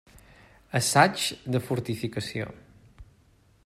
Assaigs de fortificació.